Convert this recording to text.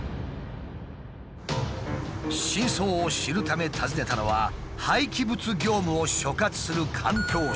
真相を知るため訪ねたのは廃棄物業務を所轄する環境省。